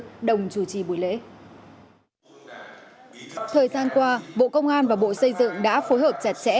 cùng chủ trì buổi lễ thời gian qua bộ công an và bộ xây dựng đã phối hợp chặt chẽ